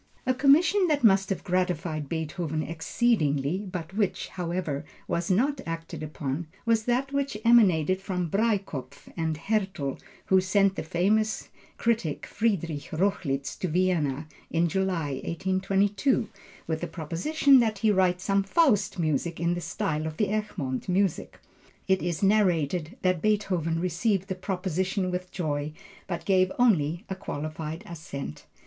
A commission that must have gratified Beethoven exceedingly, but which, however, was not acted upon, was that which emanated from Breitkopf and Härtel, who sent the famous critic Friederich Rochlitz to Vienna in July, 1822, with a proposition that he write some Faust music in the style of the Egmont music. It is narrated that Beethoven received the proposition with joy, but gave only a qualified assent.